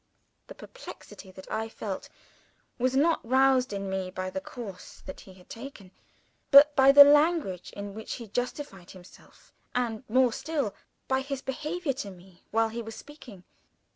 The perplexity that I felt was not roused in me by the course that he had taken but by the language in which he justified himself, and, more still, by his behavior to me while he was speaking.